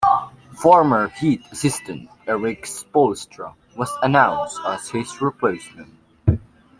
Former Heat assistant Erik Spoelstra was announced as his replacement.